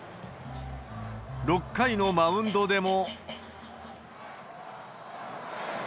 ６回のマウンドでも。